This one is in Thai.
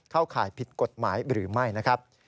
ข่ายผิดกฎหมายหรือไม่นะครับ